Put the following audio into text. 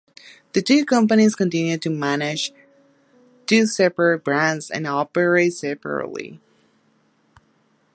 The two companies continue to manage two separate brands and operate separately.